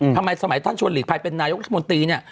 ทำไมสมัยท่านชวนหลีกภัยเป็นนายกรัฐมนตรีเนี่ย